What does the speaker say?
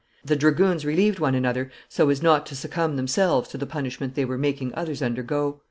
The dragoons relieved one another so as not to succumb themselves to the punishment they were making others undergo.